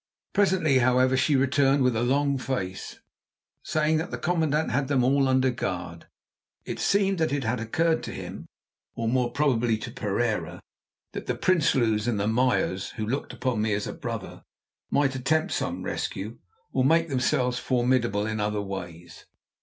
Presently, however, she returned with a long face, saying that the commandant had them all under guard. It seemed that it had occurred to him, or more probably to Pereira, that the Prinsloos and the Meyers, who looked on me as a brother, might attempt some rescue, or make themselves formidable in other ways.